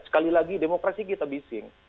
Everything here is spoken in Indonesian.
sekali lagi demokrasi kita bising